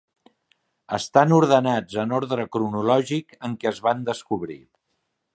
Estan ordenats en ordre cronològic en què es van descobrir.